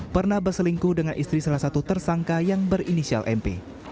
pernah berselingkuh dengan istri salah satu tersangka yang berinisial mp